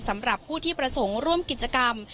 สำหรับผู้ที่ประสงค์ร่วมกิจกรรม